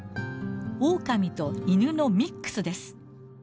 オオカミと犬のミックスです。